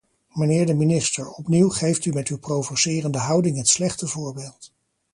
Mijnheer de minister, opnieuw geeft u met uw provocerende houding het slechte voorbeeld.